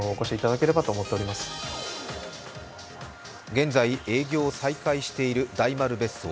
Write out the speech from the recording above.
現在、営業を再開している大丸別荘。